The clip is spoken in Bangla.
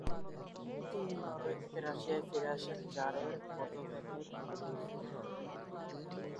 তিনি নরওয়ে থেকে রাশিয়ায় ফিরে আসেন, জারের পদত্যাগের খবর শুনে।